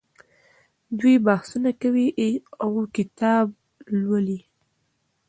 دوی بحثونه کوي او کتاب لوالي.